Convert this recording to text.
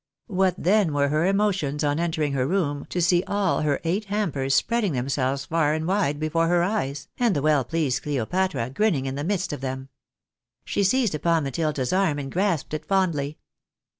What then were her emotions on entering her room to see all her eight hampers spreading themselves far and wide before her eyes, and the well pleased Cleopatra grinning in the midst of them. She seized upon MatUda's arm, and grasped it fondly.